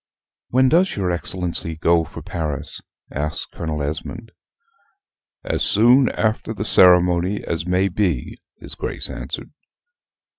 "When does your Excellency go for Paris?" asks Colonel Esmond. "As soon after the ceremony as may be," his Grace answered.